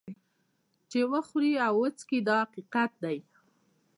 چې وخوري او وڅکي دا حقیقت دی.